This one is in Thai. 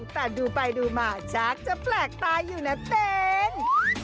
แต่ดูไปดูมาจากจะแปลกตาอยู่นะเต้น